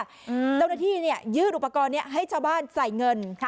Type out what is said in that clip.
เจ้าหน้าที่ยืดอุปกรณ์นี้ให้ชาวบ้านใส่เงิน